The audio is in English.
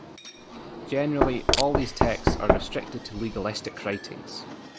Generally, all these texts are restricted to legalistic writings.